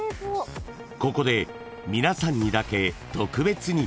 ［ここで皆さんにだけ特別に］